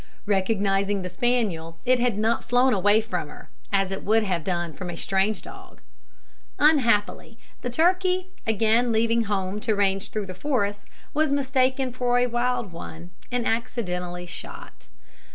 Recognising the spaniel, it had not flown away from her, as it would have done from a strange dog. Unhappily, the turkey, again leaving home to range through the forest, was mistaken for a wild one, and accidentally shot.